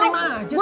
tinggal terima aja